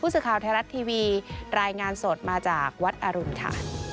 สื่อข่าวไทยรัฐทีวีรายงานสดมาจากวัดอรุณค่ะ